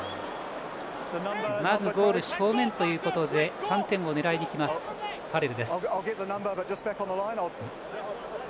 まずゴール正面ということで３点を狙いに来ますファレル。